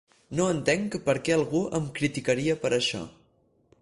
No entenc per què algú em criticaria per això.